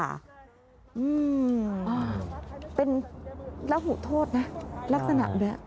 อืมเป็นระหุโทษนะลักษณะด้วย